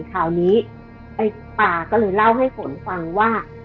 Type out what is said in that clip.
คราวนี้ไอ้ป่าก็เลยเล่าให้ฝนฟังว่า